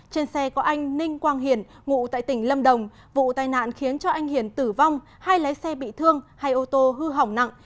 trên xe có anh ninh quang hiển ngụ tại tỉnh lâm đồng vụ tai nạn khiến cho anh hiển tử vong hay lái xe bị thương hay ô tô hư hỏng nặng